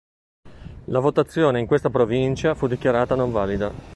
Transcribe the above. La votazione in questa provincia fu dichiarata non valida.